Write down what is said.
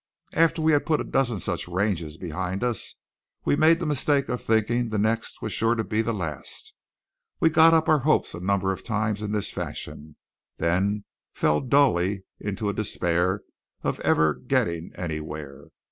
After we had put a dozen such ranges behind us, we made the mistake of thinking the next was sure to be the last. We got up our hopes a number of times in this fashion, then fell dully into a despair of ever getting anywhere.